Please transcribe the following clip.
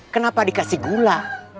kenapa dikasih gula